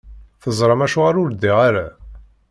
Tezṛam acuɣer ur ddiɣ ara?